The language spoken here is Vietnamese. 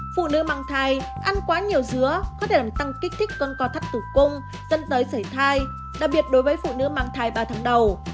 phụ nữ mang thai ăn quá nhiều dứa có thể làm tăng kích thích con co thắt tủ cung dẫn tới sảy thai đặc biệt đối với phụ nữ mang thai ba tháng đầu